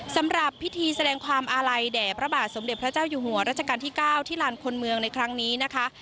สำหรับพิธีแสดงความอาลัยแด่พระบาทสมเด็จพระเจ้าอยู่หัวรัชกาลที่๙ที่ลานคนเมืองในครั้งนี้นะคะ